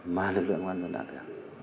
mà lực lượng quan trọng đạt được